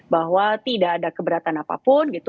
bahwa tidak ada keberatan apapun gitu